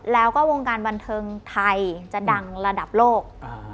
แล้วก็วงการบันเทิงไทยจะดังระดับโลก